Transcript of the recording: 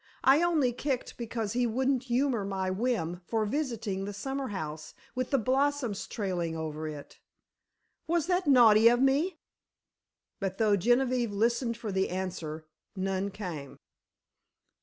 I only kicked because he wouldn't humor my whim for visiting the summer house with the blossoms trailing over it! Was that naughty of me?" But though Genevieve listened for the answer, none came.